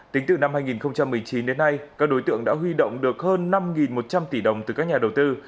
tính từ năm hai nghìn một mươi chín đến nay các đối tượng đã huy động được hơn năm một trăm linh tỷ đồng từ các nhà đầu tư